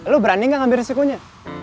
lu berani gak ngambil risikonya